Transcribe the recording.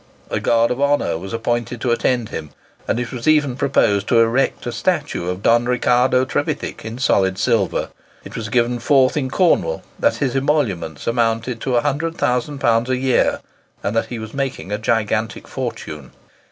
A guard of honour was appointed to attend him, and it was even proposed to erect a statue of Don Ricardo Trevithick in solid silver. It was given forth in Cornwall that his emoluments amounted to £100,000 a year, and that he was making a gigantic fortune.